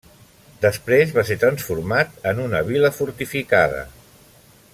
Després va ser transformat en una vila fortificada.